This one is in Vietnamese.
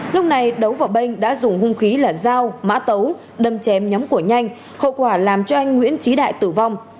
lúc này đấu và bên đã dùng hung khí là dao mã tấu đâm chém nhóm của nhanh hậu quả làm cho anh nguyễn trí đại tử vong